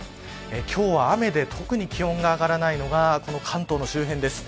今日は雨で特に気温が上がらないのが関東周辺です。